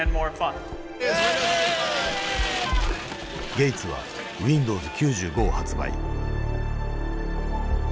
ゲイツはウィンドウズ９５を発売。